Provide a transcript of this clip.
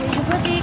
iya juga sih